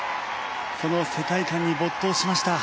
その世界観に没頭しました。